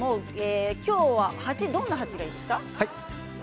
今日はどんな鉢がいいですか？